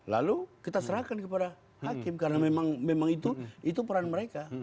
lalu kita serahkan kepada hakim karena memang itu peran mereka